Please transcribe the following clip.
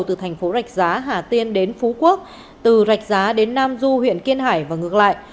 từ thành phố rạch giá hà tiên đến phú quốc từ rạch giá đến nam du huyện kiên hải và ngược lại